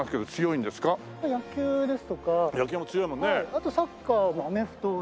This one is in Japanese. あとサッカーアメフトですね。